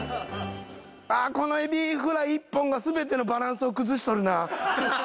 ああこのエビフライ１本が全てのバランスを崩しとるな。